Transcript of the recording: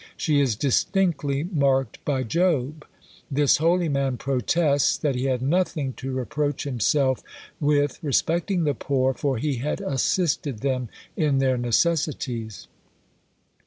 She is distinctly marked by Job: this holy man protests, that he had nothing to reproach himself with respecting the poor, for he had assisted them in their necessities.